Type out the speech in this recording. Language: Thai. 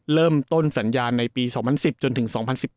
เริ่มต้นสัญญาณในปี๒๐๑๐จนถึง๒๐๑๘